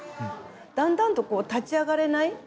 だんだんと立ち上がれない。